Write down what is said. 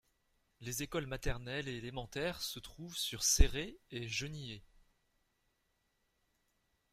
Les écoles maternelle et élémentaire se trouvent sur sur Céré et Genillé.